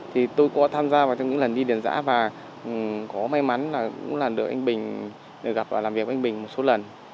thì tôi có tham gia vào trong những lần đi điền giã và có may mắn là cũng là được anh bình được gặp và làm việc với anh bình một số lần